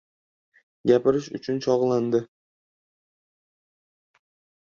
Gapirish uchun chog‘landi.